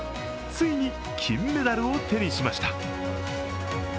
ついに金メダルを手にしました。